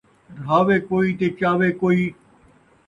رہاوے کئی تے چاوے کئی